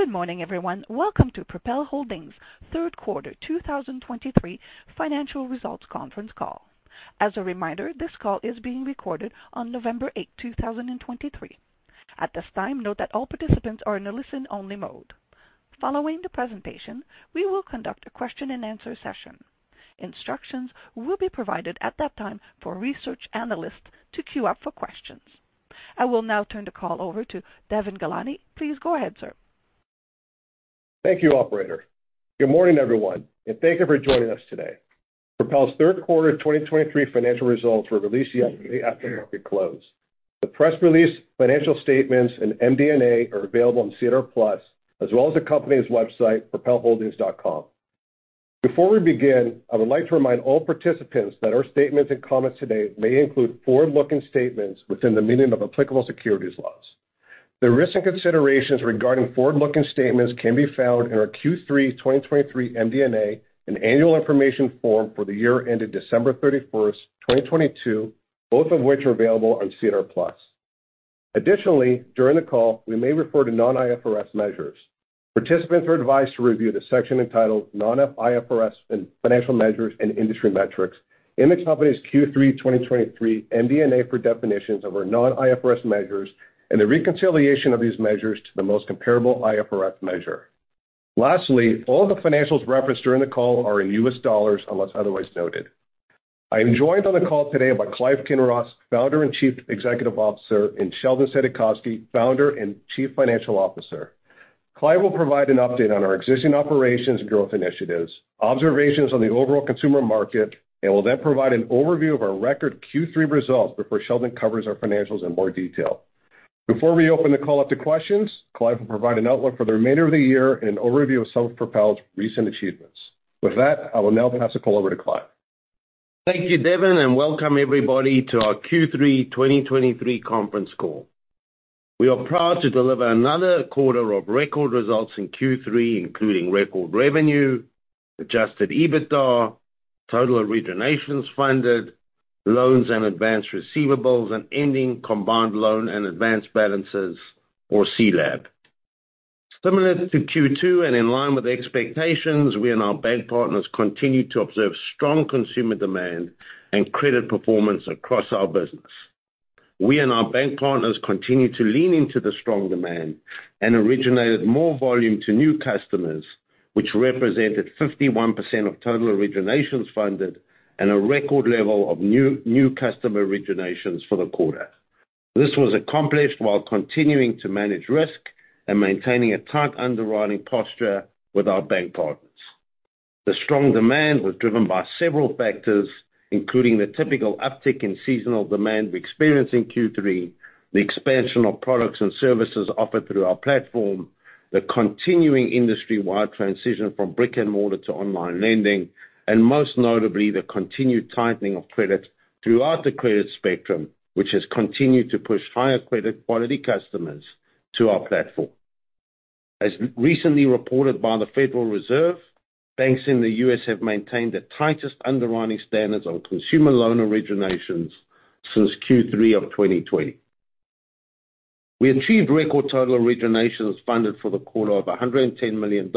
Good morning, everyone. Welcome to Propel Holdings' third quarter 2023 financial results conference call. As a reminder, this call is being recorded on November 8, 2023. At this time, note that all participants are in a listen-only mode. Following the presentation, we will conduct a question-and-answer session. Instructions will be provided at that time for research analyst to queue up for questions. I will now turn the call over to Devon Ghelani. Please go ahead, sir. Thank you, Operator.Good morning, everyone, and thank you for joining us today. Propel's third quarter of 2023 financial results were released yesterday after the market close. The press release, financial statements, and MD&A are available on SEDAR+, as well as the company's website, propelholdings.com. Before we begin, I would like to remind all participants that our statements and comments today may include forward-looking statements within the meaning of applicable securities laws. The risks and considerations regarding forward-looking statements can be found in our Q3 2023 MD&A and annual information form for the year ended December 31, 2022, both of which are available on SEDAR+. Additionally, during the call, we may refer to non-IFRS measures. Participants are advised to review the section entitled Non-IFRS Financial Measures and Industry Metrics in the company's Q3 2023 MD&A for definitions of our non-IFRS measures and the reconciliation of these measures to the most comparable IFRS measure. Lastly, all the financials referenced during the call are in US dollars, unless otherwise noted. I am joined on the call today by Clive Kinross, founder and Chief Executive Officer, and Sheldon Saidakovsky, founder and Chief Financial Officer. Clive will provide an update on our existing operations growth initiatives, observations on the overall consumer market, and will then provide an overview of our record Q3 results before Sheldon covers our financials in more detail. Before we open the call up to questions, Clive will provide an outlook for the remainder of the year and an overview of some of Propel's recent achievements. With that, I will now pass the call over to Clive. Thank you, Devon, and welcome everybody to our Q3 2023 conference call. We are proud to deliver another quarter of record results in Q3, including record revenue, Adjusted EBITDA, total originations funded, loans and advance receivables, and ending combined loan and advance balances, or CLAB. Similar to Q2 and in line with expectations, we and our bank partners continue to observe strong consumer demand and credit performance across our business. We and our bank partners continue to lean into the strong demand and originated more volume to new customers, which represented 51% of total originations funded and a record level of new, new customer originations for the quarter. This was accomplished while continuing to manage risk and maintaining a tight underwriting posture with our bank partners. The strong demand was driven by several factors, including the typical uptick in seasonal demand we experienced in Q3, the expansion of products and services offered through our platform, the continuing industry-wide transition from brick-and-mortar to online lending, and most notably, the continued tightening of credit throughout the credit spectrum, which has continued to push higher credit quality customers to our platform. As recently reported by the Federal Reserve, banks in the U.S. have maintained the tightest underwriting standards on consumer loan originations since Q3 of 2020. We achieved record total originations funded for the quarter of $110 million,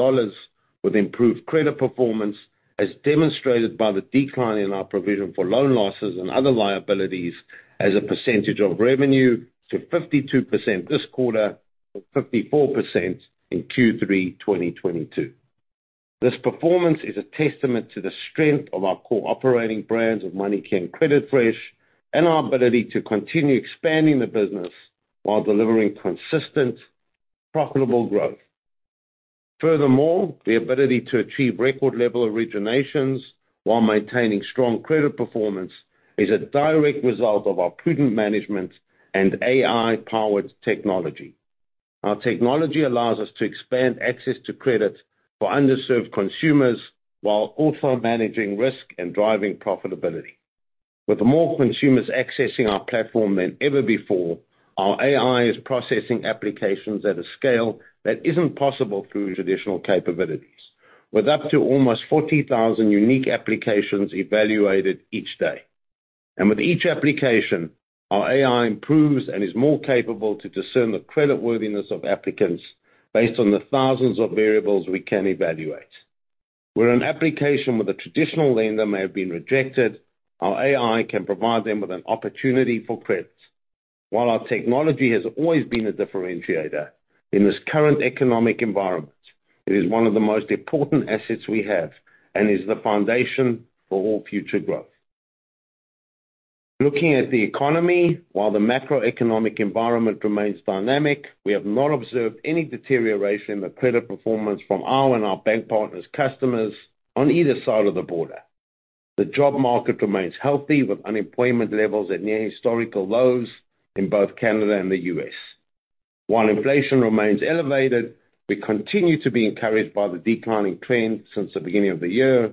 with improved credit performance, as demonstrated by the decline in our provision for loan losses and other liabilities as a percentage of revenue to 52% this quarter from 54% in Q3 2022. This performance is a testament to the strength of our core operating brands of MoneyKey and CreditFresh, and our ability to continue expanding the business while delivering consistent, profitable growth. Furthermore, the ability to achieve record level originations while maintaining strong credit performance is a direct result of our prudent management and AI-powered technology. Our technology allows us to expand access to credit for underserved consumers while also managing risk and driving profitability. With more consumers accessing our platform than ever before, our AI is processing applications at a scale that isn't possible through traditional capabilities, with up to almost 40,000 unique applications evaluated each day. With each application, our AI improves and is more capable to discern the creditworthiness of applicants based on the thousands of variables we can evaluate. Where an application with a traditional lender may have been rejected, our AI can provide them with an opportunity for credit. While our technology has always been a differentiator, in this current economic environment, it is one of the most important assets we have and is the foundation for all future growth. Looking at the economy, while the macroeconomic environment remains dynamic, we have not observed any deterioration in the credit performance from our and our bank partners' customers on either side of the border. The job market remains healthy, with unemployment levels at near historical lows in both Canada and the U.S. While inflation remains elevated, we continue to be encouraged by the declining trend since the beginning of the year.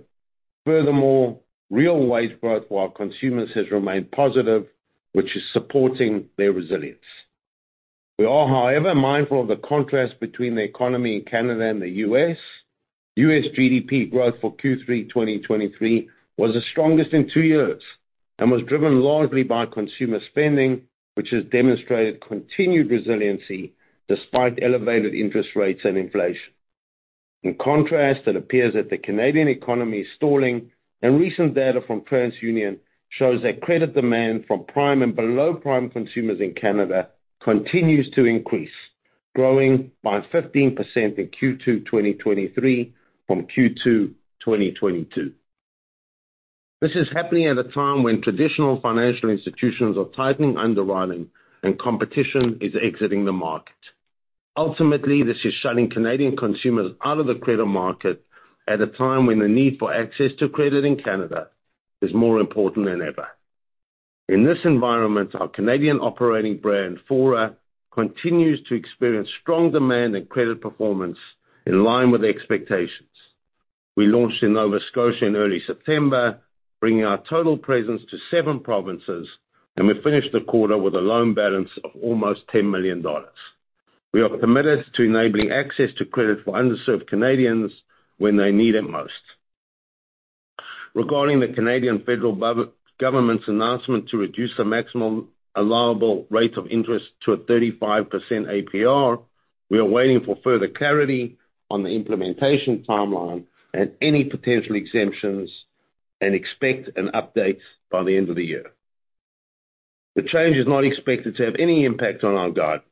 Furthermore, real wage growth while consumers has remained positive, which is supporting their resilience. We are, however, mindful of the contrast between the economy in Canada and the U.S. U.S. GDP growth for Q3 2023 was the strongest in two years, and was driven largely by consumer spending, which has demonstrated continued resiliency despite elevated interest rates and inflation. In contrast, it appears that the Canadian economy is stalling, and recent data from TransUnion shows that credit demand from prime and below-prime consumers in Canada continues to increase, growing by 15% in Q2 2023 from Q2 2022. This is happening at a time when traditional financial institutions are tightening underwriting and competition is exiting the market. Ultimately, this is shutting Canadian consumers out of the credit market at a time when the need for access to credit in Canada is more important than ever. In this environment, our Canadian operating brand, Fora, continues to experience strong demand and credit performance in line with expectations. We launched in Nova Scotia in early September, bringing our total presence to 7 provinces, and we finished the quarter with a loan balance of almost $10 million. We are committed to enabling access to credit for underserved Canadians when they need it most. Regarding the Canadian federal government's announcement to reduce the maximum allowable rate of interest to a 35% APR, we are waiting for further clarity on the implementation timeline and any potential exemptions, and expect an update by the end of the year. The change is not expected to have any impact on our guidance.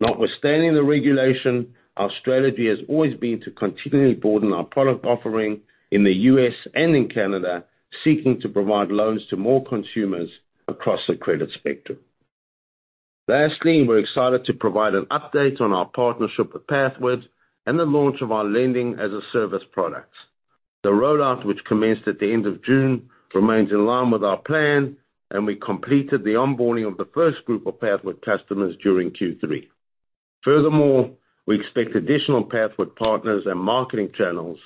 Notwithstanding the regulation, our strategy has always been to continually broaden our product offering in the U.S. and in Canada, seeking to provide loans to more consumers across the credit spectrum. Lastly, we're excited to provide an update on our partnership with Pathward and the launch of our lending-as-a-service products. The rollout, which commenced at the end of June, remains in line with our plan, and we completed the onboarding of the first group of Pathward customers during Q3. Furthermore, we expect additional Pathward partners and marketing channels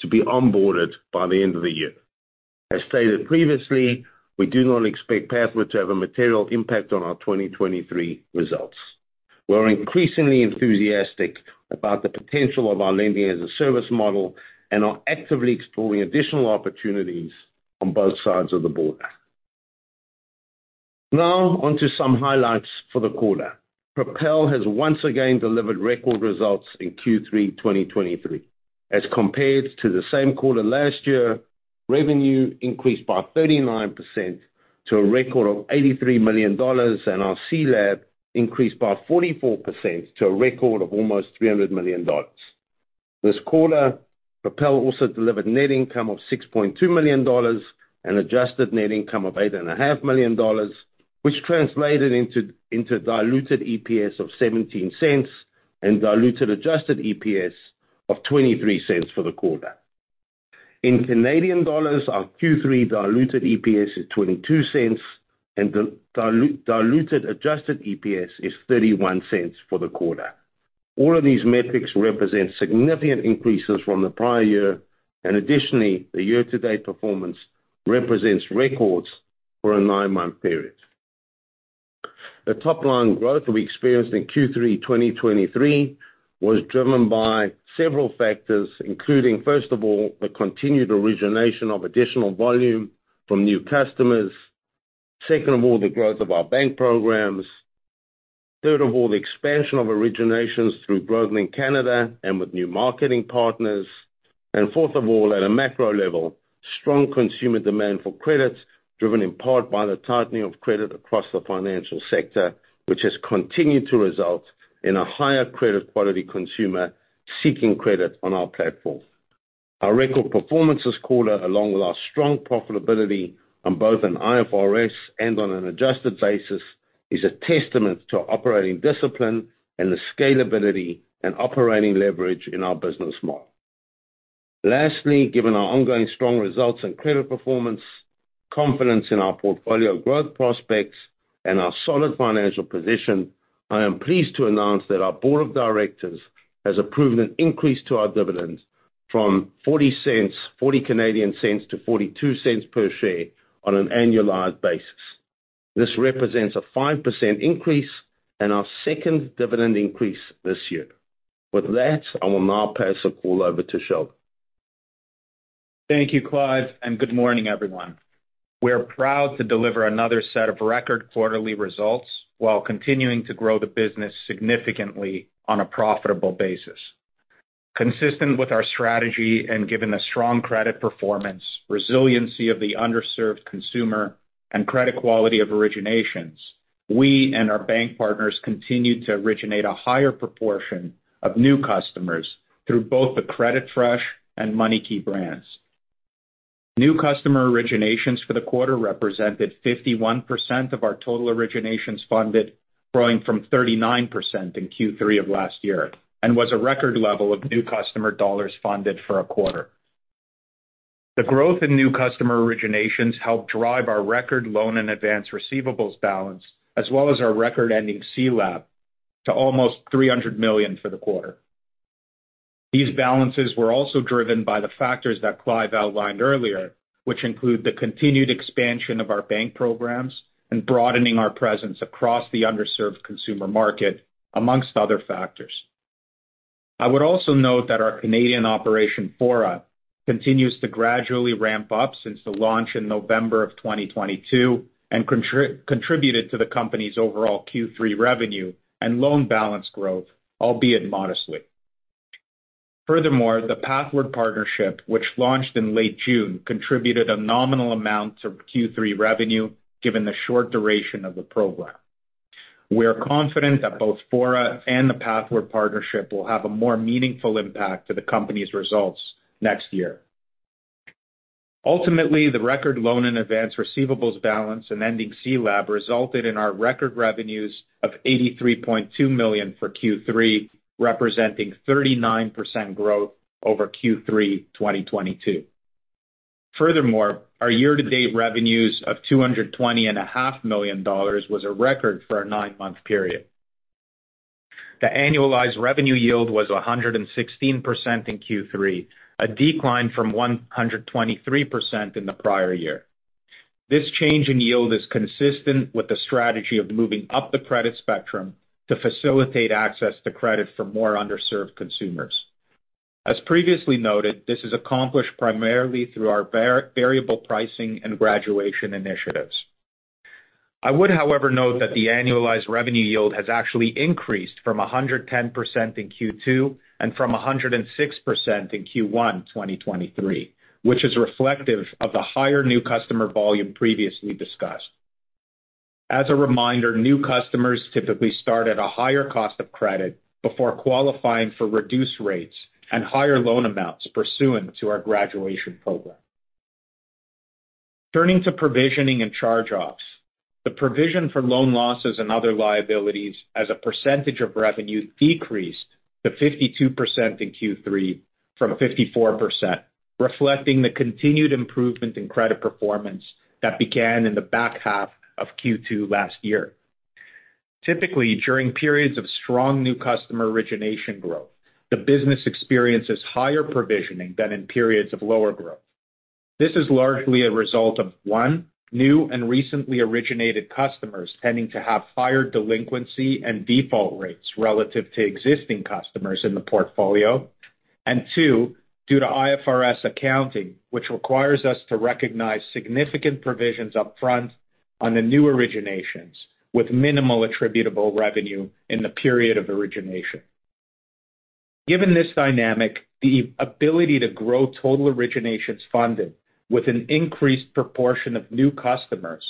to be onboarded by the end of the year. As stated previously, we do not expect Pathward to have a material impact on our 2023 results. We're increasingly enthusiastic about the potential of our lending-as-a-service model and are actively exploring additional opportunities on both sides of the border. Now, on to some highlights for the quarter. Propel has once again delivered record results in Q3 2023. As compared to the same quarter last year, revenue increased by 39% to a record of $83 million, and our CLAB increased by 44% to a record of almost $300 million. This quarter, Propel also delivered net income of $6.2 million and adjusted net income of $8.5 million, which translated into diluted EPS of $0.17 and diluted adjusted EPS of $0.23 for the quarter. In Canadian dollars, our Q3 diluted EPS is 0.22, and the diluted adjusted EPS is 0.31 for the quarter. All of these metrics represent significant increases from the prior year, and additionally, the year-to-date performance represents records for a nine-month period. The top-line growth we experienced in Q3 2023 was driven by several factors, including, first of all, the continued origination of additional volume from new customers. Second of all, the growth of our bank programs. Third of all, the expansion of originations through growth in Canada and with new marketing partners. And fourth of all, at a macro level, strong consumer demand for credit, driven in part by the tightening of credit across the financial sector, which has continued to result in a higher credit quality consumer seeking credit on our platform. Our record performance this quarter, along with our strong profitability on both an IFRS and on an adjusted basis, is a testament to our operating discipline and the scalability and operating leverage in our business model. Lastly, given our ongoing strong results and credit performance, confidence in our portfolio growth prospects, and our solid financial position, I am pleased to announce that our board of directors has approved an increase to our dividend from 0.40 Canadian cents to 0.42 per share on an annualized basis. This represents a 5% increase and our second dividend increase this year. With that, I will now pass the call over to Sheldon. Thank you, Clive, and good morning, everyone. We are proud to deliver another set of record quarterly results while continuing to grow the business significantly on a profitable basis. Consistent with our strategy and given the strong credit performance, resiliency of the underserved consumer, and credit quality of originations, we and our bank partners continued to originate a higher proportion of new customers through both the CreditFresh and MoneyKey brands. New customer originations for the quarter represented 51% of our total originations funded, growing from 39% in Q3 of last year, and was a record level of new customer dollars funded for a quarter. The growth in new customer originations helped drive our record loan and advance receivables balance, as well as our record-ending CLAB, to almost $300 million for the quarter. These balances were also driven by the factors that Clive outlined earlier, which include the continued expansion of our bank programs and broadening our presence across the underserved consumer market... among other factors. I would also note that our Canadian operation, Fora, continues to gradually ramp up since the launch in November 2022, and contributed to the company's overall Q3 revenue and loan balance growth, albeit modestly. Furthermore, the Pathward partnership, which launched in late June, contributed a nominal amount to Q3 revenue, given the short duration of the program. We are confident that both Fora and the Pathward partnership will have a more meaningful impact to the company's results next year. Ultimately, the record loan and advance receivables balance and ending CLAB resulted in our record revenues of $83.2 million for Q3, representing 39% growth over Q3 2022. Furthermore, our year to date revenues of $220.5 million was a record for a nine-month period. The annualized revenue yield was 116% in Q3, a decline from 123% in the prior year. This change in yield is consistent with the strategy of moving up the credit spectrum to facilitate access to credit for more underserved consumers. As previously noted, this is accomplished primarily through our variable pricing and graduation initiatives. I would, however, note that the annualized revenue yield has actually increased from 110% in Q2 and from 106% in Q1 2023, which is reflective of the higher new customer volume previously discussed. As a reminder, new customers typically start at a higher cost of credit before qualifying for reduced rates and higher loan amounts pursuant to our graduation program. Turning to provisioning and charge-offs, the provision for loan losses and other liabilities as a percentage of revenue decreased to 52% in Q3 from 54%, reflecting the continued improvement in credit performance that began in the back half of Q2 last year. Typically, during periods of strong new customer origination growth, the business experiences higher provisioning than in periods of lower growth. This is largely a result of, one, new and recently originated customers tending to have higher delinquency and default rates relative to existing customers in the portfolio. And two, due to IFRS accounting, which requires us to recognize significant provisions up front on the new originations, with minimal attributable revenue in the period of origination. Given this dynamic, the ability to grow total originations funded with an increased proportion of new customers,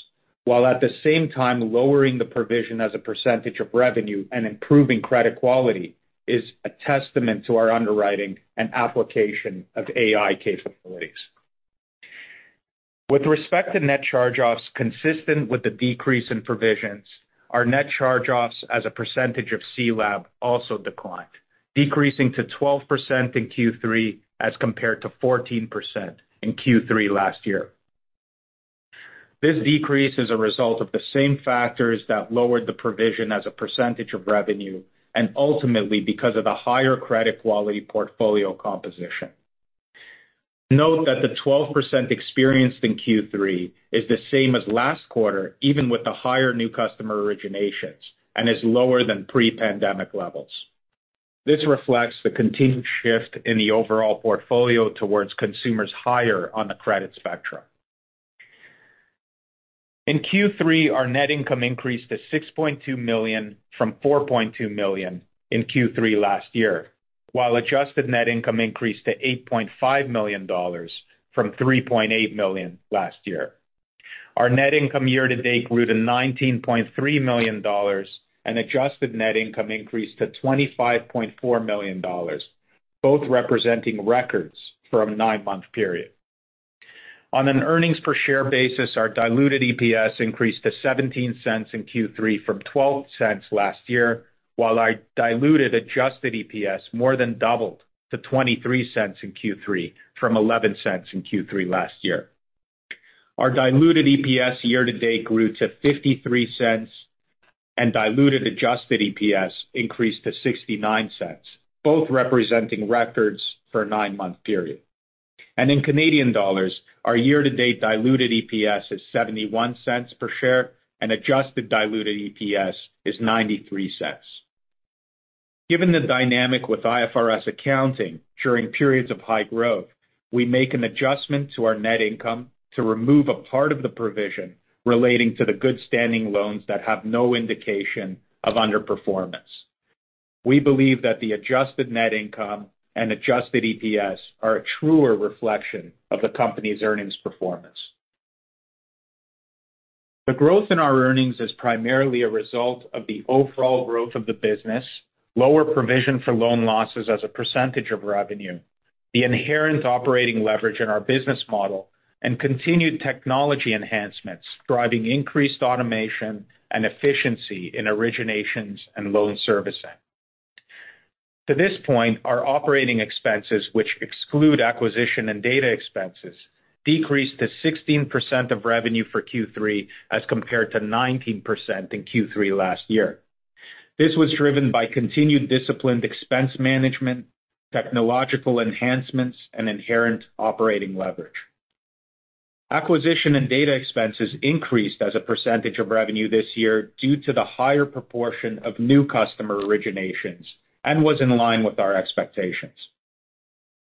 while at the same time lowering the provision as a percentage of revenue and improving credit quality, is a testament to our underwriting and application of AI capabilities. With respect to net charge-offs, consistent with the decrease in provisions, our net charge-offs as a percentage of CLAB also declined, decreasing to 12% in Q3 as compared to 14% in Q3 last year. This decrease is a result of the same factors that lowered the provision as a percentage of revenue and ultimately because of the higher credit quality portfolio composition. Note that the 12% experienced in Q3 is the same as last quarter, even with the higher new customer originations, and is lower than pre-pandemic levels. This reflects the continued shift in the overall portfolio towards consumers higher on the credit spectrum. In Q3, our net income increased to $6.2 million from $4.2 million in Q3 last year, while adjusted net income increased to $8.5 million from $3.8 million last year. Our net income year-to-date grew to $19.3 million, and adjusted net income increased to $25.4 million, both representing records for a nine-month period. On an earnings-per-share basis, our diluted EPS increased to $0.17 in Q3 from $0.12 last year, while our diluted adjusted EPS more than doubled to $0.23 in Q3 from $0.11 in Q3 last year. Our diluted EPS year-to-date grew to $0.53, and diluted adjusted EPS increased to $0.69, both representing records for a nine-month period. In Canadian dollars, our year-to-date diluted EPS is 0.71 per share, and adjusted diluted EPS is 0.93. Given the dynamic with IFRS accounting, during periods of high growth, we make an adjustment to our net income to remove a part of the provision relating to the good-standing loans that have no indication of underperformance. We believe that the adjusted net income and adjusted EPS are a truer reflection of the company's earnings performance. The growth in our earnings is primarily a result of the overall growth of the business, lower provision for loan losses as a percentage of revenue, the inherent operating leverage in our business model, and continued technology enhancements, driving increased automation and efficiency in originations and loan servicing. To this point, our operating expenses, which exclude acquisition and data expenses, decreased to 16% of revenue for Q3, as compared to 19% in Q3 last year. This was driven by continued disciplined expense management, technological enhancements, and inherent operating leverage... Acquisition and data expenses increased as a percentage of revenue this year, due to the higher proportion of new customer originations, and was in line with our expectations.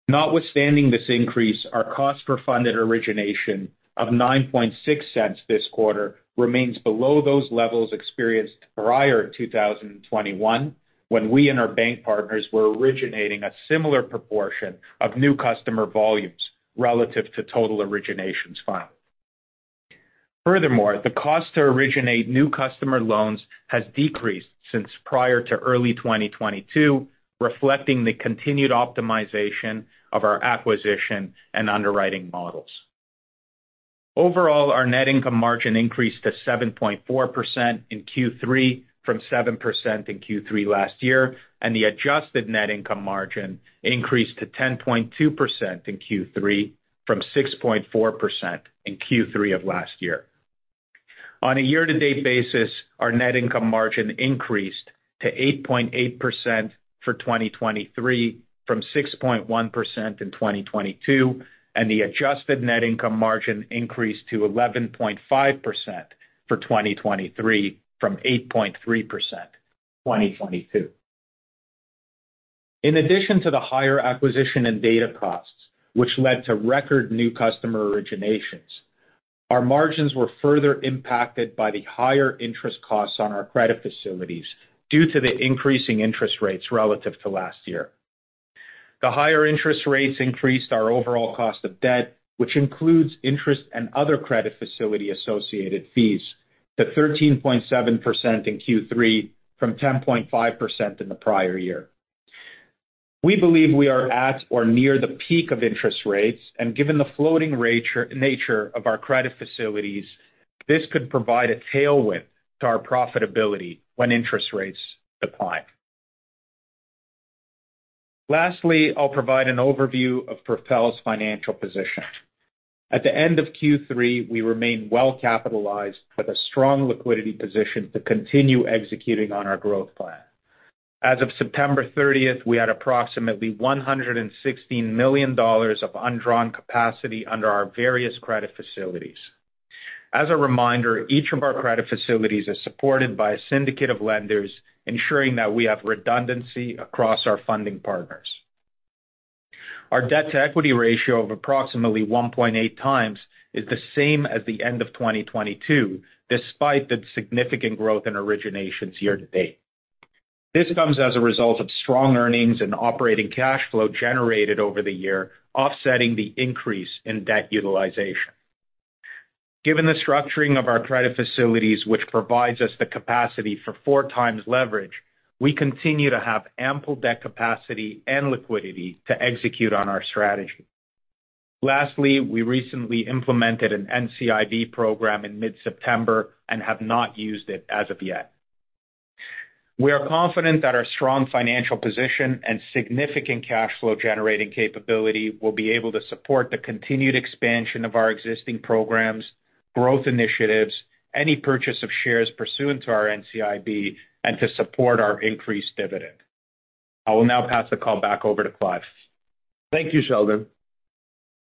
Notwithstanding this increase, our cost per funded origination of $0.096 this quarter, remains below those levels experienced prior to 2021, when we and our bank partners were originating a similar proportion of new customer volumes relative to total originations filed. Furthermore, the cost to originate new customer loans has decreased since prior to early 2022, reflecting the continued optimization of our acquisition and underwriting models. Overall, our net income margin increased to 7.4% in Q3, from 7% in Q3 last year, and the adjusted net income margin increased to 10.2% in Q3, from 6.4% in Q3 of last year. On a year-to-date basis, our net income margin increased to 8.8% for 2023, from 6.1% in 2022, and the adjusted net income margin increased to 11.5% for 2023, from 8.3% in 2022. In addition to the higher acquisition and data costs, which led to record new customer originations, our margins were further impacted by the higher interest costs on our credit facilities due to the increasing interest rates relative to last year. The higher interest rates increased our overall cost of debt, which includes interest and other credit facility-associated fees, to 13.7% in Q3, from 10.5% in the prior year. We believe we are at or near the peak of interest rates, and given the floating rate nature of our credit facilities, this could provide a tailwind to our profitability when interest rates decline. Lastly, I'll provide an overview of Propel's financial position. At the end of Q3, we remained well-capitalized with a strong liquidity position to continue executing on our growth plan. As of September thirtieth, we had approximately $116 million of undrawn capacity under our various credit facilities. As a reminder, each of our credit facilities is supported by a syndicate of lenders, ensuring that we have redundancy across our funding partners. Our debt to equity ratio of approximately 1.8 times is the same as the end of 2022, despite the significant growth in originations year to date. This comes as a result of strong earnings and operating cash flow generated over the year, offsetting the increase in debt utilization. Given the structuring of our credit facilities, which provides us the capacity for 4 times leverage, we continue to have ample debt capacity and liquidity to execute on our strategy. Lastly, we recently implemented an NCIB program in mid-September and have not used it as of yet. We are confident that our strong financial position and significant cash flow-generating capability will be able to support the continued expansion of our existing programs, growth initiatives, any purchase of shares pursuant to our NCIB, and to support our increased dividend. I will now pass the call back over to Clive. Thank you, Sheldon.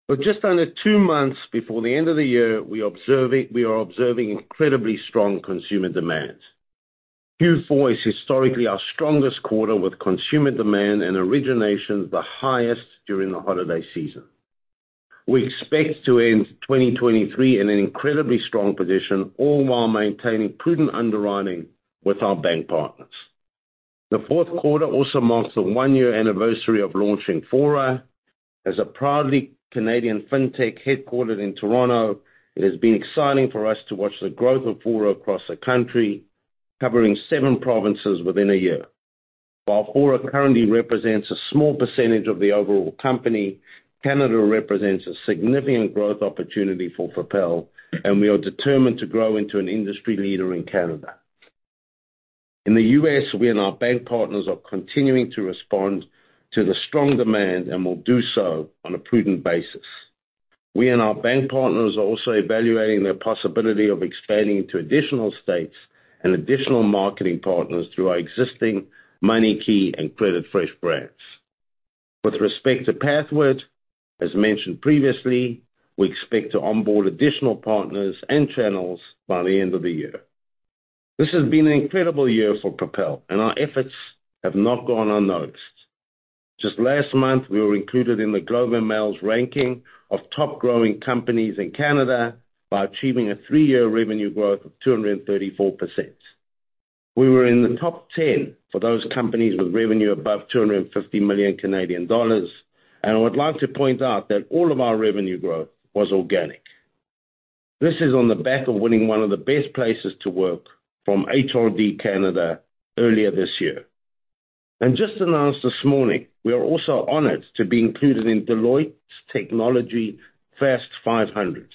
With just under two months before the end of the year, we are observing incredibly strong consumer demand. Q4 is historically our strongest quarter, with consumer demand and originations the highest during the holiday season. We expect to end 2023 in an incredibly strong position, all while maintaining prudent underwriting with our bank partners. The fourth quarter also marks the one-year anniversary of launching Fora. As a proudly Canadian fintech headquartered in Toronto, it has been exciting for us to watch the growth of Fora across the country, covering seven provinces within a year. While Fora currently represents a small percentage of the overall company, Canada represents a significant growth opportunity for Propel, and we are determined to grow into an industry leader in Canada. In the U.S., we and our bank partners are continuing to respond to the strong demand and will do so on a prudent basis. We and our bank partners are also evaluating the possibility of expanding to additional states and additional marketing partners through our existing MoneyKey and CreditFresh brands. With respect to Pathward, as mentioned previously, we expect to onboard additional partners and channels by the end of the year. This has been an incredible year for Propel, and our efforts have not gone unnoticed. Just last month, we were included in the Globe and Mail's ranking of top growing companies in Canada by achieving a three-year revenue growth of 234%. We were in the top 10 for those companies with revenue above 250 million Canadian dollars, and I would like to point out that all of our revenue growth was organic. This is on the back of winning one of the best places to work from HRD Canada earlier this year. Just announced this morning, we are also honored to be included in Deloitte's Technology Fast 500,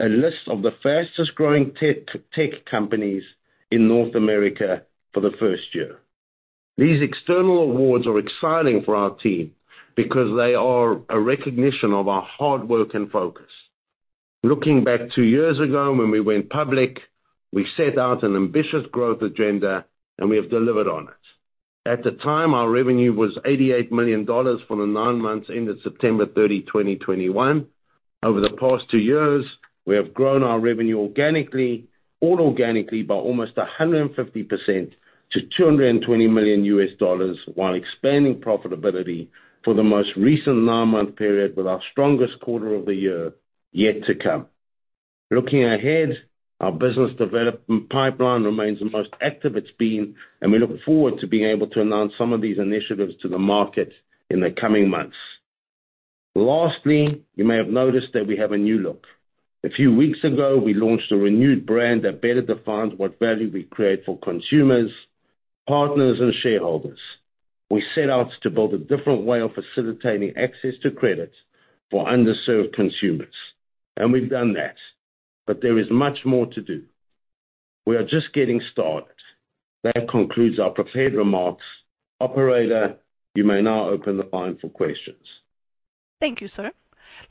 a list of the fastest growing tech, tech companies in North America for the first year. These external awards are exciting for our team because they are a recognition of our hard work and focus. Looking back two years ago when we went public, we set out an ambitious growth agenda, and we have delivered on it.... At the time, our revenue was $88 million for the nine months ended September 30, 2021. Over the past two years, we have grown our revenue organically, all organically, by almost 150% to $220 million, while expanding profitability for the most recent nine-month period, with our strongest quarter of the year yet to come. Looking ahead, our business development pipeline remains the most active it's been, and we look forward to being able to announce some of these initiatives to the market in the coming months. Lastly, you may have noticed that we have a new look. A few weeks ago, we launched a renewed brand that better defines what value we create for consumers, partners, and shareholders. We set out to build a different way of facilitating access to credit for underserved consumers, and we've done that, but there is much more to do. We are just getting started. That concludes our prepared remarks. Operator, you may now open the line for questions. Thank you, sir.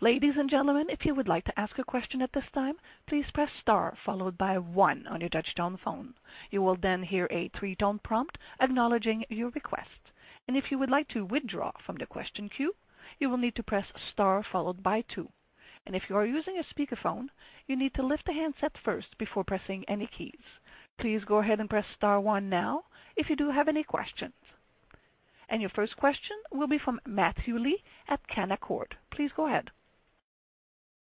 Ladies and gentlemen, if you would like to ask a question at this time, please press star followed by one on your touchtone phone. You will then hear a three-tone prompt acknowledging your request. If you would like to withdraw from the question queue, you will need to press star followed by two. If you are using a speakerphone, you need to lift the handset first before pressing any keys. Please go ahead and press star one now if you do have any questions. Your first question will be from Matthew Lee at Canaccord. Please go ahead.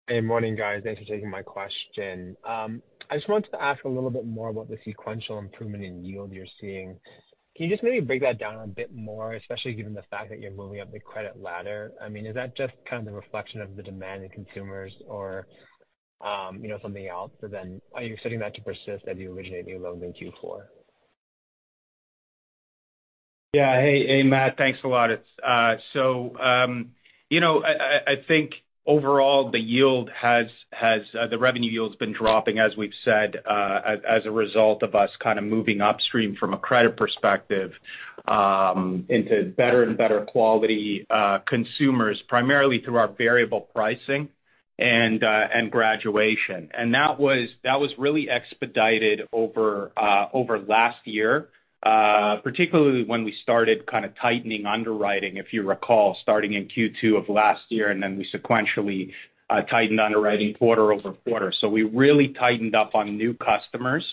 Good morning, guys. Thanks for taking my question. I just wanted to ask a little bit more about the sequential improvement in yield you're seeing. Can you just maybe break that down a bit more, especially given the fact that you're moving up the credit ladder? I mean, is that just kind of the reflection of the demand in consumers or, you know, something else? So then, are you expecting that to persist as you originate new loans in Q4? Yeah. Hey, hey, Matt. Thanks a lot. It's... So, you know, I think overall, the yield has the revenue yield has been dropping, as we've said, as a result of us kind of moving upstream from a credit perspective, into better and better quality consumers, primarily through our variable pricing and graduation. And that was really expedited over last year, particularly when we started kind of tightening underwriting, if you recall, starting in Q2 of last year, and then we sequentially tightened underwriting quarter-over-quarter. So we really tightened up on new customers.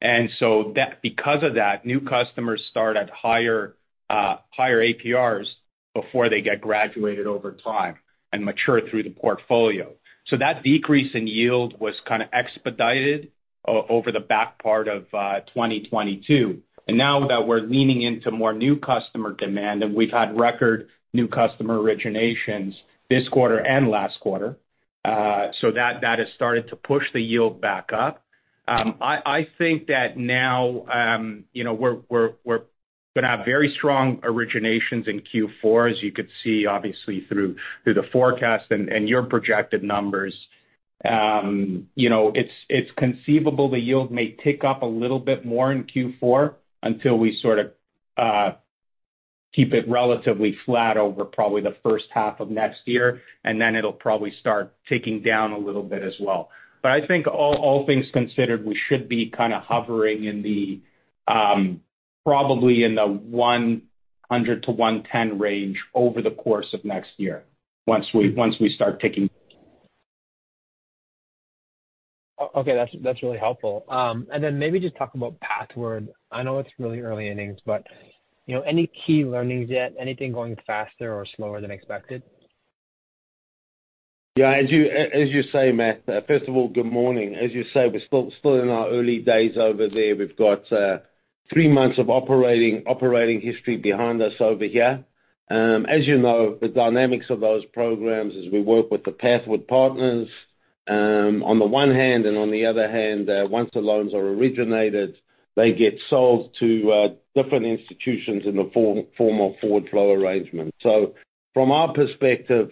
And so that because of that, new customers start at higher APRs before they get graduated over time and mature through the portfolio. So that decrease in yield was kind of expedited over the back part of 2022. And now that we're leaning into more new customer demand, and we've had record new customer originations this quarter and last quarter, so that has started to push the yield back up. I think that now, you know, we're gonna have very strong originations in Q4, as you could see, obviously, through the forecast and your projected numbers. You know, it's conceivable the yield may tick up a little bit more in Q4 until we sort of keep it relatively flat over probably the first half of next year, and then it'll probably start ticking down a little bit as well. I think all things considered, we should be kind of hovering in the probably in the 100-110 range over the course of next year, once we start ticking. Okay, that's, that's really helpful. And then maybe just talk about Pathward. I know it's really early innings, but, you know, any key learnings yet? Anything going faster or slower than expected? Yeah, as you say, Matt... First of all, good morning. As you say, we're still in our early days over there. We've got three months of operating history behind us over here. As you know, the dynamics of those programs is we work with the Pathward partners on the one hand, and on the other hand, once the loans are originated, they get sold to different institutions in the form of Forward Flow Arrangement. So from our perspective,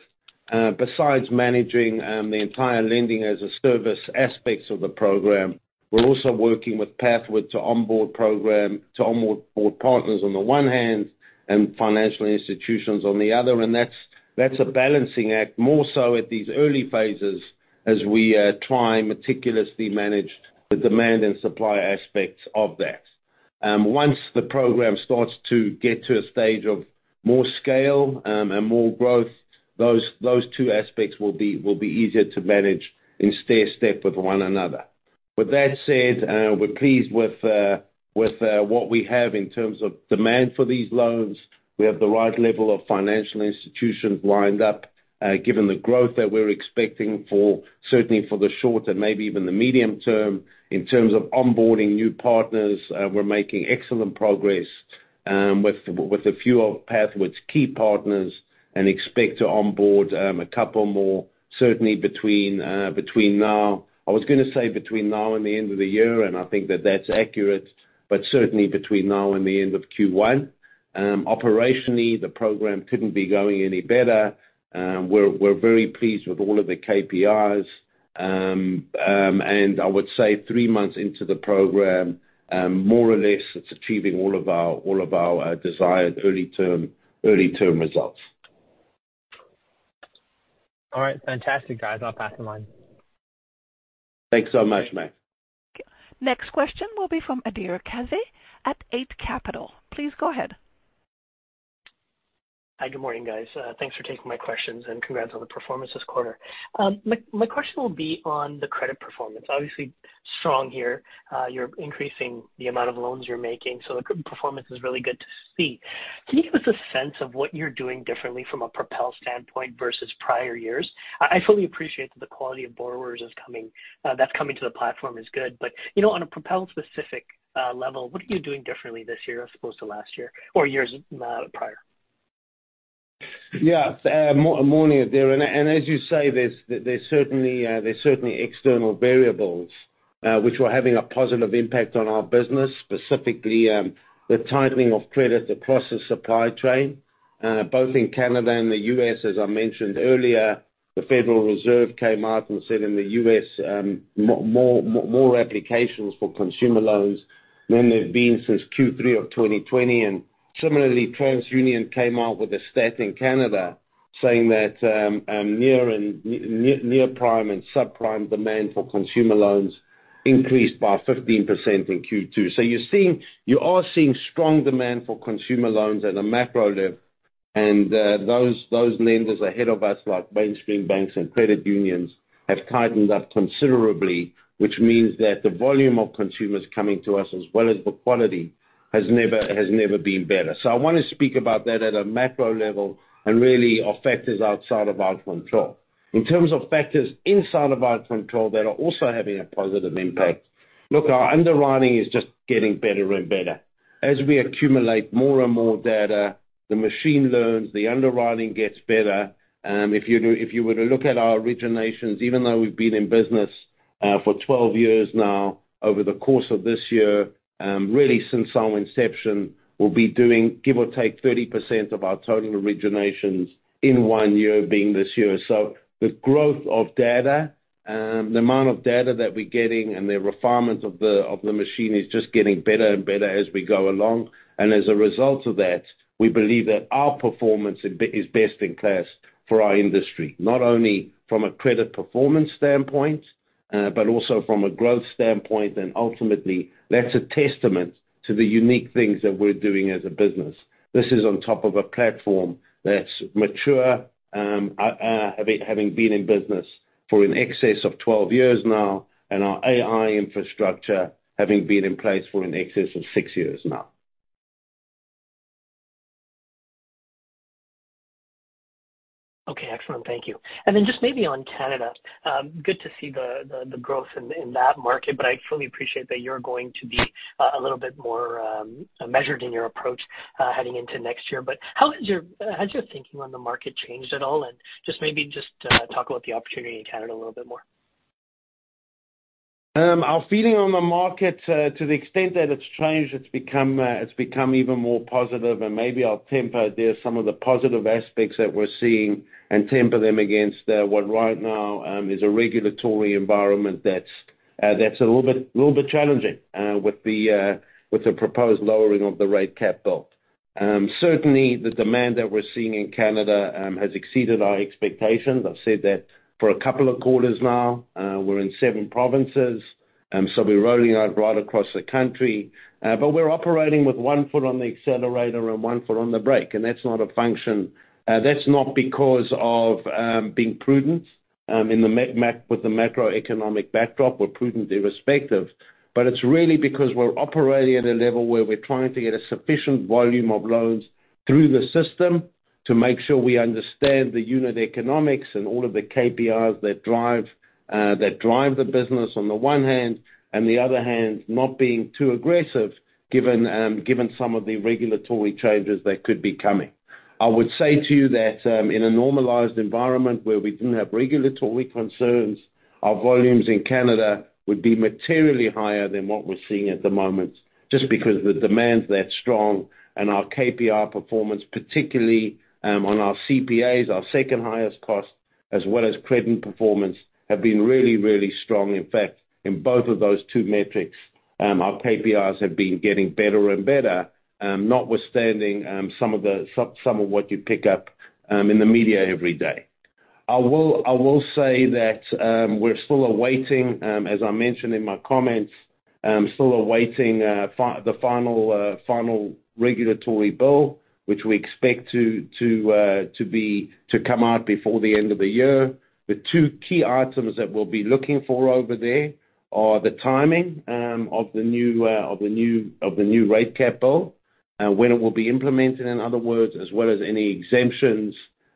besides managing the entire lending-as-a-service aspects of the program, we're also working with Pathward to onboard partners on the one hand and financial institutions on the other. And that's a balancing act, more so at these early phases, as we try and meticulously manage the demand and supply aspects of that. Once the program starts to get to a stage of more scale and more growth, those two aspects will be easier to manage and stay asleep with one another. With that said, we're pleased with what we have in terms of demand for these loans. We have the right level of financial institutions lined up, given the growth that we're expecting for, certainly for the short and maybe even the medium term. In terms of onboarding new partners, we're making excellent progress with a few of Pathward's key partners and expect to onboard a couple more, certainly between now-I was gonna say between now and the end of the year, and I think that's accurate, but certainly between now and the end of Q1. Operationally, the program couldn't be going any better. We're very pleased with all of the KPIs. And I would say three months into the program, more or less, it's achieving all of our, all of our desired early-term results.... All right, fantastic, guys. I'll pass the line. Thanks so much, Matt. Next question will be from Adhir Kadve at Eight Capital. Please go ahead. Hi, good morning, guys. Thanks for taking my questions, and congrats on the performance this quarter. My question will be on the credit performance. Obviously, strong here. You're increasing the amount of loans you're making, so the credit performance is really good to see. Can you give us a sense of what you're doing differently from a Propel standpoint versus prior years? I fully appreciate that the quality of borrowers is coming, that's coming to the platform is good, but you know, on a Propel-specific level, what are you doing differently this year as opposed to last year or years prior? Yeah. Morning, Adhir, and as you say, there's certainly external variables which are having a positive impact on our business, specifically the tightening of credit across the supply chain both in Canada and the U.S. As I mentioned earlier, the Federal Reserve came out and said in the U.S. more applications for consumer loans than there's been since Q3 of 2020. And similarly, TransUnion came out with a stat in Canada saying that near-prime and subprime demand for consumer loans increased by 15% in Q2. So you are seeing strong demand for consumer loans at a macro level, and those lenders ahead of us, like mainstream banks and credit unions, have tightened up considerably, which means that the volume of consumers coming to us, as well as the quality, has never been better. So I wanna speak about that at a macro level and really are factors outside of our control. In terms of factors inside of our control that are also having a positive impact, look, our underwriting is just getting better and better. As we accumulate more and more data, the machine learns, the underwriting gets better. If you were to look at our originations, even though we've been in business for 12 years now, over the course of this year, really since our inception, we'll be doing, give or take, 30% of our total originations in one year being this year. So the growth of data, the amount of data that we're getting and the refinement of the machine is just getting better and better as we go along. And as a result of that, we believe that our performance is best in class for our industry, not only from a credit performance standpoint, but also from a growth standpoint, and ultimately, that's a testament to the unique things that we're doing as a business. This is on top of a platform that's mature, having been in business for in excess of 12 years now, and our AI infrastructure having been in place for in excess of 6 years now. Okay, excellent. Thank you. And then just maybe on Canada, good to see the growth in that market, but I fully appreciate that you're going to be a little bit more measured in your approach heading into next year. But how has your thinking on the market changed at all? And just maybe talk about the opportunity in Canada a little bit more. Our feeling on the market, to the extent that it's changed, it's become even more positive. And maybe I'll temper that some of the positive aspects that we're seeing and temper them against what right now is a regulatory environment that's a little bit challenging with the proposed lowering of the rate cap. Certainly, the demand that we're seeing in Canada has exceeded our expectations. I've said that for a couple of quarters now. We're in seven provinces, so we're rolling out right across the country. But we're operating with one foot on the accelerator and one foot on the brake, and that's not a function, that's not because of being prudent with the macroeconomic backdrop. We're prudent irrespective. But it's really because we're operating at a level where we're trying to get a sufficient volume of loans through the system to make sure we understand the unit economics and all of the KPIs that drive the business, on the one hand, and the other hand, not being too aggressive, given some of the regulatory changes that could be coming. I would say to you that in a normalized environment where we didn't have regulatory concerns, our volumes in Canada would be materially higher than what we're seeing at the moment, just because the demand's that strong and our KPI performance, particularly on our CPAs, our second highest cost, as well as credit performance, have been really, really strong. In fact, in both of those two metrics, our KPIs have been getting better and better, notwithstanding some of what you pick up in the media every day. I will say that we're still awaiting, as I mentioned in my comments, the final regulatory bill, which we expect to come out before the end of the year. The two key items that we'll be looking for over there are the timing of the new rate cap when it will be implemented, in other words, as well as any exemptions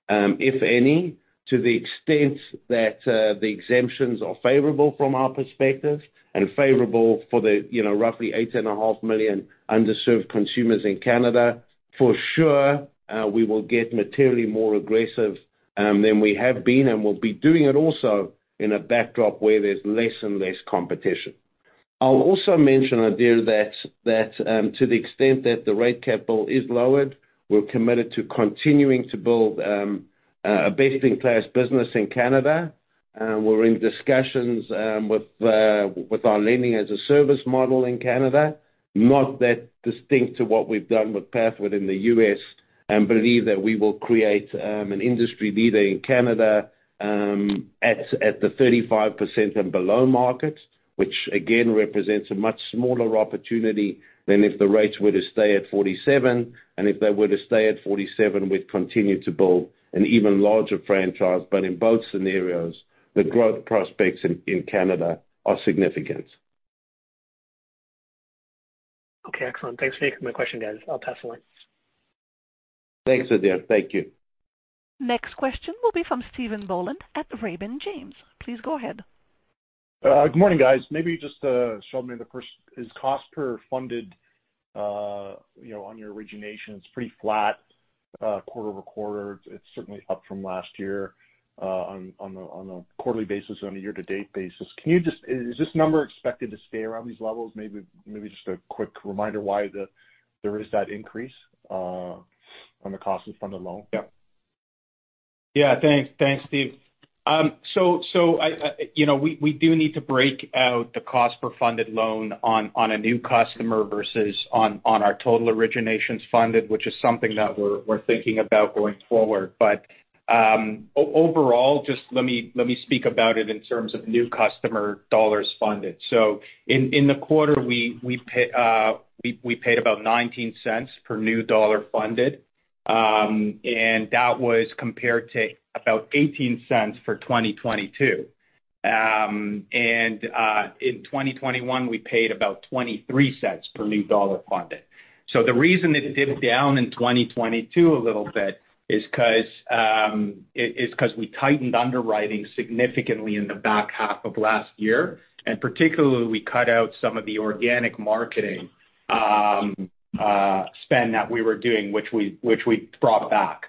if any, to the extent that the exemptions are favorable from our perspective and favorable for the, you know, roughly 8.5 million underserved consumers in Canada. For sure, we will get materially more aggressive than we have been, and we'll be doing it also in a backdrop where there's less and less competition. I'll also mention, Adhir, that to the extent that the rate cap is lowered, we're committed to continuing to build a best-in-class business in Canada.... We're in discussions with our lending as a service model in Canada, not that distinct to what we've done with Pathward in the U.S., and believe that we will create an industry leader in Canada at the 35% and below market, which again represents a much smaller opportunity than if the rates were to stay at 47%. And if they were to stay at 47%, we'd continue to build an even larger franchise. But in both scenarios, the growth prospects in Canada are significant. Okay, excellent. Thanks for taking my question, guys. I'll pass the line. Thanks, Adhir. Thank you. Next question will be from Stephen Boland at Raymond James. Please go ahead. Good morning, guys. Maybe just show me the first. Is cost per funded, you know, on your originations pretty flat quarter-over-quarter? It's certainly up from last year on a quarterly basis, on a year-to-date basis. Is this number expected to stay around these levels? Maybe just a quick reminder why there is that increase on the cost of funded loan? Yeah. Thanks. Thanks, Steve. So I you know we do need to break out the cost per funded loan on a new customer versus on our total originations funded, which is something that we're thinking about going forward. But overall, just let me speak about it in terms of new customer dollars funded. So in the quarter, we paid about $0.19 per new dollar funded, and that was compared to about $0.18 for 2022. And in 2021, we paid about $0.23 per new dollar funded. So the reason it dipped down in 2022 a little bit is 'cause we tightened underwriting significantly in the back half of last year, and particularly, we cut out some of the organic marketing spend that we were doing, which we brought back.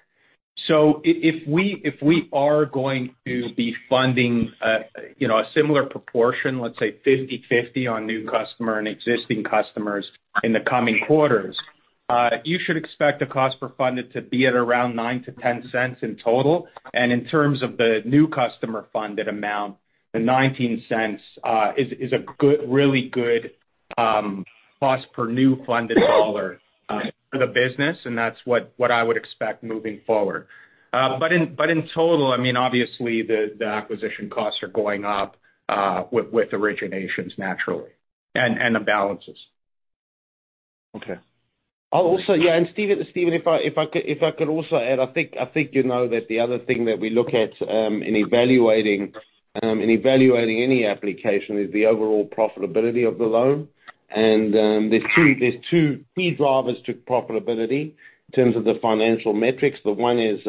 So if we are going to be funding, you know, a similar proportion, let's say 50/50, on new customer and existing customers in the coming quarters, you should expect the cost per funded to be at around $0.09-$0.10 in total. And in terms of the new customer funded amount, the $0.19 is a good, really good, cost per new funded dollar, for the business, and that's what I would expect moving forward. But in total, I mean, obviously, the acquisition costs are going up with originations naturally and the balances. Okay. I'll also... Yeah, and Steven, Steven, if I could also add, I think you know that the other thing that we look at in evaluating any application is the overall profitability of the loan. And there's two key drivers to profitability in terms of the financial metrics. The one is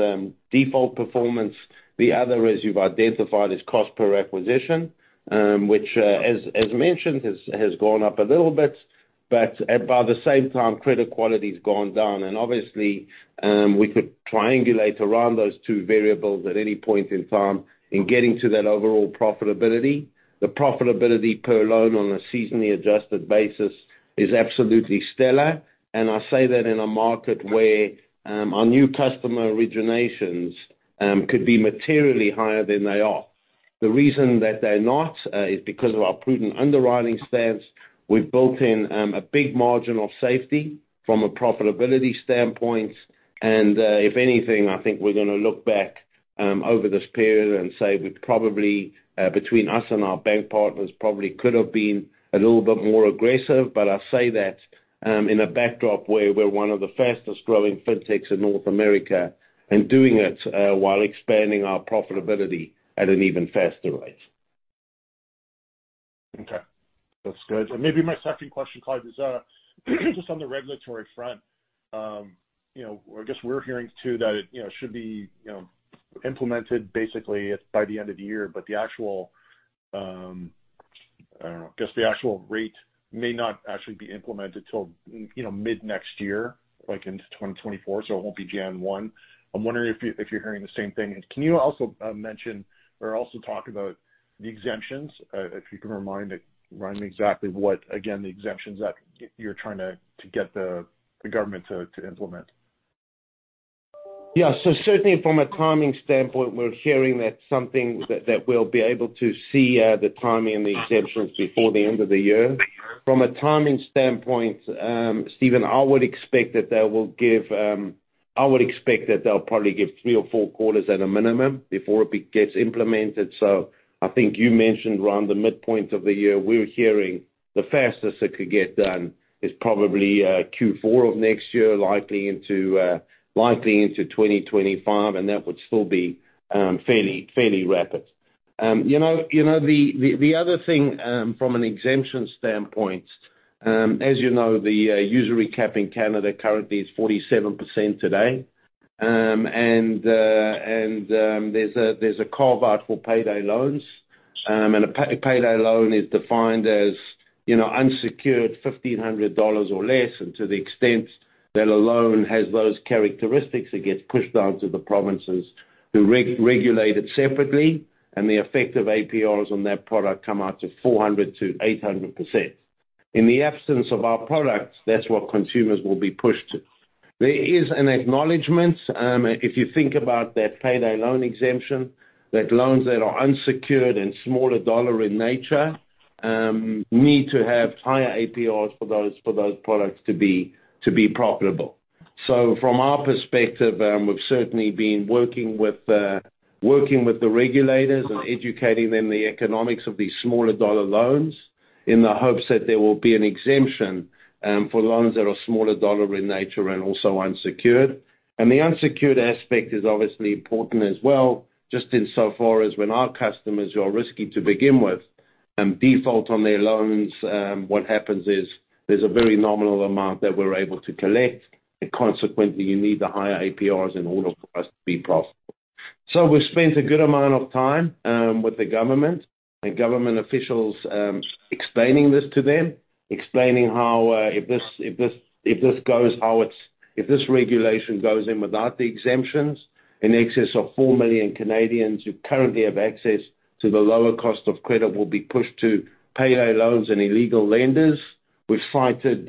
default performance, the other, as you've identified, is cost per acquisition, which, as mentioned, has gone up a little bit. But at about the same time, credit quality's gone down. And obviously, we could triangulate around those two variables at any point in time in getting to that overall profitability. The profitability per loan on a seasonally adjusted basis is absolutely stellar, and I say that in a market where our new customer originations could be materially higher than they are. The reason that they're not is because of our prudent underwriting stance. We've built in a big margin of safety from a profitability standpoint, and if anything, I think we're gonna look back over this period and say we probably between us and our bank partners probably could have been a little bit more aggressive. But I say that in a backdrop where we're one of the fastest growing fintechs in North America, and doing it while expanding our profitability at an even faster rate. Okay, that's good. Maybe my second question, Clive, is just on the regulatory front. You know, I guess we're hearing, too, that it, you know, should be, you know, implemented basically by the end of the year, but the actual, I don't know, I guess the actual rate may not actually be implemented till, you know, mid-next year, like into 2024, so it won't be January 1. I'm wondering if you, if you're hearing the same thing. Can you also mention or also talk about the exemptions? If you can remind it, remind me exactly what, again, the exemptions that you're trying to, to get the, the government to, to implement. Yeah. So certainly from a timing standpoint, we're hearing that something that we'll be able to see the timing and the exemptions before the end of the year. From a timing standpoint, Steven, I would expect that they will give, I would expect that they'll probably give three or four quarters at a minimum before it gets implemented. So I think you mentioned around the midpoint of the year, we're hearing the fastest it could get done is probably Q4 of next year, likely into likely into 2025, and that would still be fairly, fairly rapid. You know, you know, the, the, the other thing from an exemption standpoint, as you know, the usury cap in Canada currently is 47% today. And, and there's a, there's a carve-out for payday loans. And a payday loan is defined as, you know, unsecured $1,500 or less, and to the extent that a loan has those characteristics, it gets pushed down to the provinces who regulate it separately, and the effective APRs on that product come out to 400%-800%. In the absence of our products, that's what consumers will be pushed to.... There is an acknowledgment, if you think about that payday loan exemption, that loans that are unsecured and smaller dollar in nature, need to have higher APRs for those, for those products to be, to be profitable. So from our perspective, we've certainly been working with the regulators and educating them the economics of these smaller dollar loans in the hopes that there will be an exemption for loans that are smaller dollar in nature and also unsecured. And the unsecured aspect is obviously important as well, just insofar as when our customers are risky to begin with and default on their loans, what happens is there's a very nominal amount that we're able to collect, and consequently, you need the higher APRs in order for us to be profitable. So we've spent a good amount of time with the government and government officials explaining this to them. Explaining how, if this regulation goes in without the exemptions, in excess of 4 million Canadians who currently have access to the lower cost of credit will be pushed to payday loans and illegal lenders. We've cited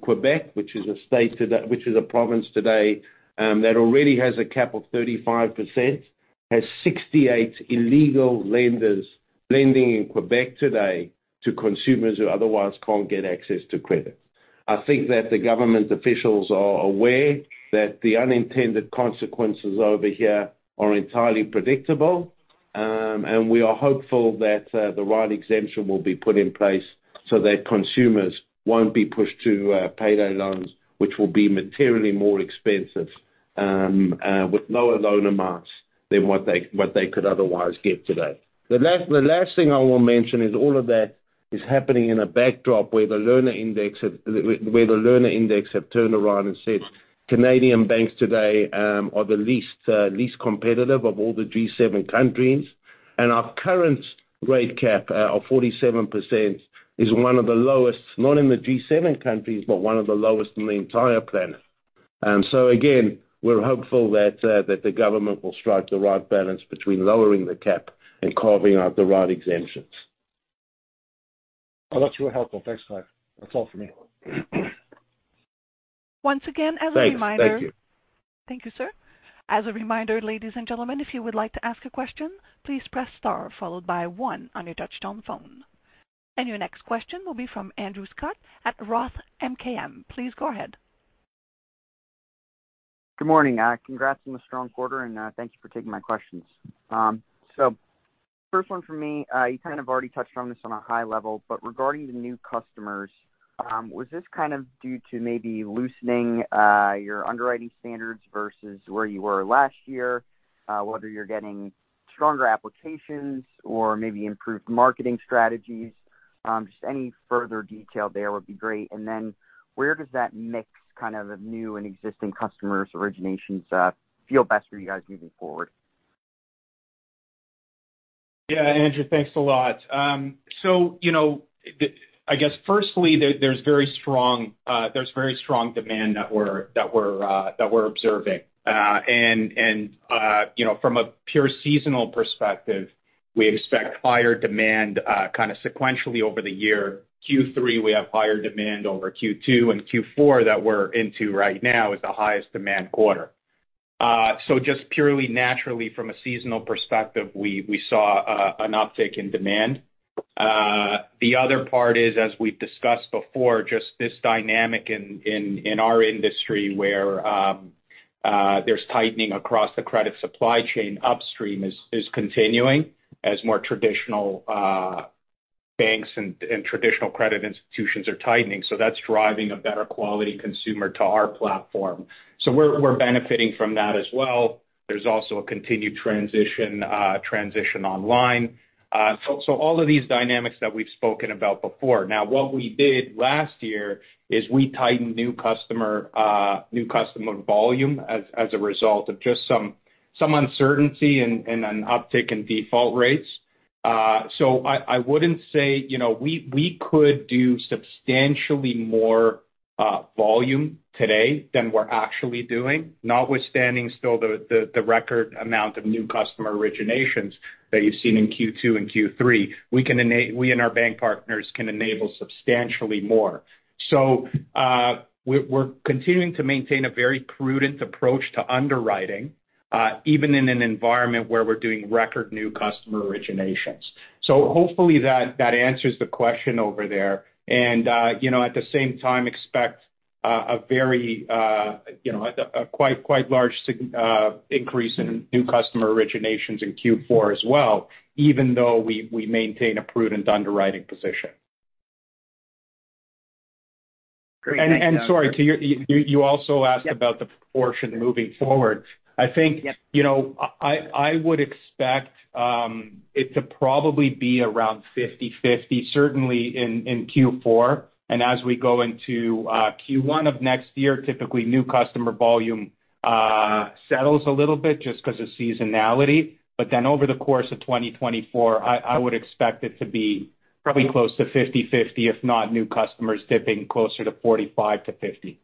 Quebec, which is a province today, that already has a cap of 35%, has 68 illegal lenders lending in Quebec today to consumers who otherwise can't get access to credit. I think that the government officials are aware that the unintended consequences over here are entirely predictable, and we are hopeful that the right exemption will be put in place so that consumers won't be pushed to payday loans, which will be materially more expensive, with lower loan amounts than what they could otherwise get today. The last thing I want to mention is all of that is happening in a backdrop where the lending index has turned around and said, Canadian banks today are the least competitive of all the G7 countries. And our current rate cap of 47% is one of the lowest, not in the G7 countries, but one of the lowest on the entire planet. So again, we're hopeful that the government will strike the right balance between lowering the cap and carving out the right exemptions. I'll let you help out. Thanks, Clive. That's all for me. Once again, as a reminder- Thanks. Thank you. Thank you, sir. As a reminder, ladies and gentlemen, if you would like to ask a question, please press star followed by one on your touchtone phone. Your next question will be from Andrew Scott at Roth MKM. Please go ahead. Good morning. Congrats on the strong quarter, and thank you for taking my questions. So first one from me, you kind of already touched on this on a high level, but regarding the new customers, was this kind of due to maybe loosening your underwriting standards versus where you were last year? Whether you're getting stronger applications or maybe improved marketing strategies, just any further detail there would be great. And then where does that mix kind of new and existing customers' originations feel best for you guys moving forward? Yeah, Andrew, thanks a lot. So, you know, I guess firstly, there's very strong demand that we're observing. And you know, from a pure seasonal perspective, we expect higher demand kind of sequentially over the year. Q3, we have higher demand over Q2, and Q4 that we're into right now is the highest demand quarter. So just purely naturally, from a seasonal perspective, we saw an uptick in demand. The other part is, as we've discussed before, just this dynamic in our industry, where there's tightening across the credit supply chain upstream is continuing as more traditional banks and traditional credit institutions are tightening. So that's driving a better quality consumer to our platform. So we're benefiting from that as well. There's also a continued transition online. So all of these dynamics that we've spoken about before. Now, what we did last year is we tightened new customer volume as a result of just some uncertainty and an uptick in default rates. So I wouldn't say, you know, we could do substantially more volume today than we're actually doing, notwithstanding still the record amount of new customer originations that you've seen in Q2 and Q3. We and our bank partners can enable substantially more. So we're continuing to maintain a very prudent approach to underwriting, even in an environment where we're doing record new customer originations. So hopefully that answers the question over there. You know, at the same time expect a very, you know, a quite, quite large increase in new customer originations in Q4 as well, even though we, we maintain a prudent underwriting position. Great, thank you. Sorry, so you also asked about the proportion moving forward. Yep. I think- Yep. You know, I would expect it to probably be around 50/50, certainly in Q4. And as we go into Q1 of next year, typically new customer volume settles a little bit just 'cause of seasonality. But then over the course of 2024, I would expect it to be probably close to 50/50, if not new customers dipping closer to 45%-50%.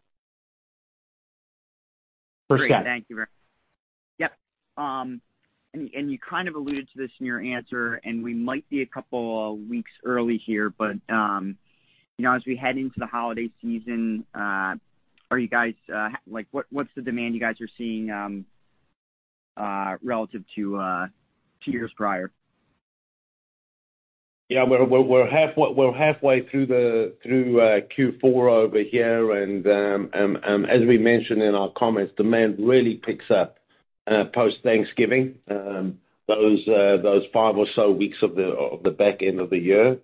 Great. Thank you very much... Yep. And you kind of alluded to this in your answer, and we might be a couple of weeks early here, but you know, as we head into the holiday season, are you guys like, what's the demand you guys are seeing relative to two years prior? Yeah, we're halfway through Q4 over here, and as we mentioned in our comments, demand really picks up post-Thanksgiving. Those five or so weeks of the back end of the year.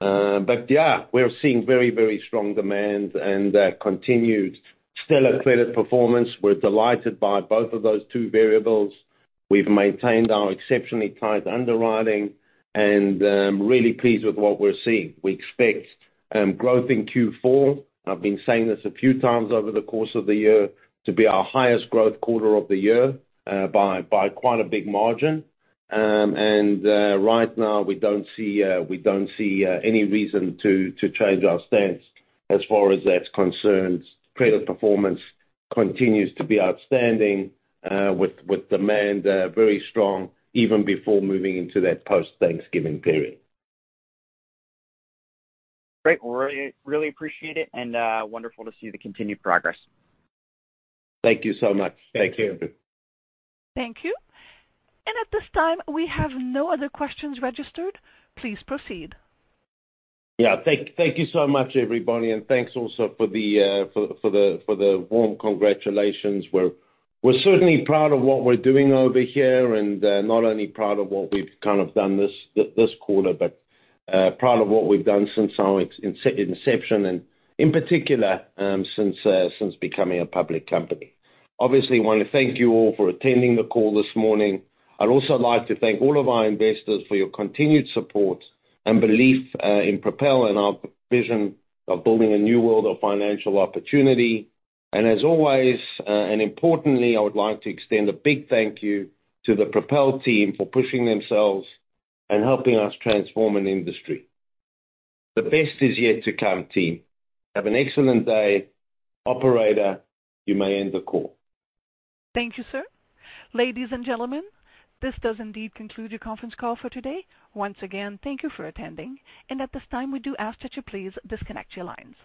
But yeah, we're seeing very strong demand and continued stellar credit performance. We're delighted by both of those two variables. We've maintained our exceptionally tight underwriting, and really pleased with what we're seeing. We expect growth in Q4. I've been saying this a few times over the course of the year, to be our highest growth quarter of the year, by quite a big margin. And right now, we don't see any reason to change our stance as far as that's concerned. Credit performance continues to be outstanding, with demand very strong even before moving into that post-Thanksgiving period. Great. Well, I really appreciate it, and wonderful to see the continued progress. Thank you so much. Thank you. Thank you. At this time, we have no other questions registered. Please proceed. Yeah. Thank you so much, everybody, and thanks also for the warm congratulations. We're certainly proud of what we're doing over here, and not only proud of what we've kind of done this quarter, but proud of what we've done since our inception and in particular, since becoming a public company. Obviously, wanna thank you all for attending the call this morning. I'd also like to thank all of our investors for your continued support and belief in Propel and our vision of building a new world of financial opportunity. And as always, and importantly, I would like to extend a big thank you to the Propel team for pushing themselves and helping us transform an industry. The best is yet to come, team. Have an excellent day. Operator, you may end the call. Thank you, sir. Ladies and gentlemen, this does indeed conclude your conference call for today. Once again, thank you for attending, and at this time, we do ask that you please disconnect your lines.